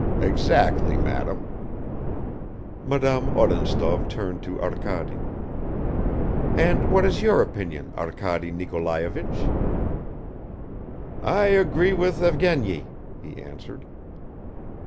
"Exactly, madam." Madame Odintsov turned to Arkady. "And what is your opinion, Arkady Nikolayevich?" "I agree with Evgeny," he answered.